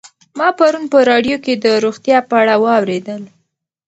ما پرون په راډیو کې د روغتیا په اړه واورېدل.